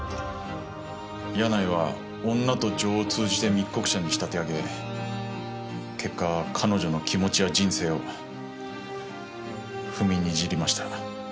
柳井は女と情を通じて密告者に仕立て上げ結果彼女の気持ちや人生を踏みにじりました。